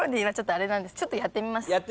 ちょっとやってみます。